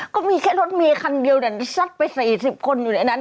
ก็มีแค่รถเมย์คันเดียวซัดไป๔๐คนอยู่ในนั้น